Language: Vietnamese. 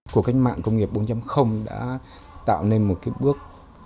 cuộc cách mạng công nghệ bốn đã tạo nên một bước